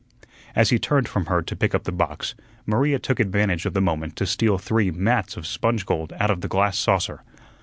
As he turned from her to pick up the box, Maria took advantage of the moment to steal three "mats" of sponge gold out of the glass saucer.